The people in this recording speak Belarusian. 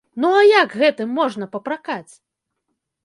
Ну а як гэтым можна папракаць?